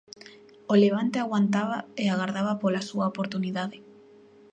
O Levante aguantaba e agardaba pola súa oportunidade.